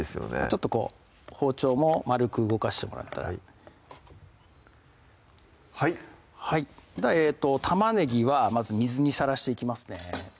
ちょっとこう包丁も丸く動かしてもらったらはいはいではえっと玉ねぎはまず水にさらしていきますね